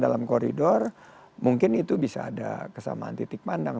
dalam koridor mungkin itu bisa ada kesamaan titik pandang